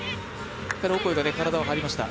オコエが体を張りました。